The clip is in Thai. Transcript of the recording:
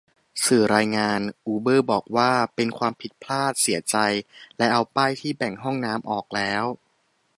สื่อรายงาน อูเบอร์บอกว่าเป็นความผิดพลาด เสียใจ และเอาป้ายที่แบ่งห้องน้ำออกแล้ว